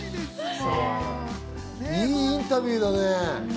いいインタビューだね。